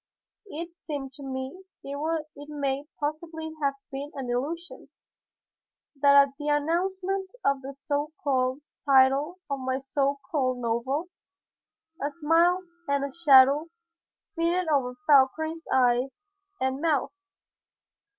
It seemed to me it may possibly have been an illusion that at the announcement of the so called title of my so called novel, a smile and a shadow flitted over Fauchery's eyes and mouth.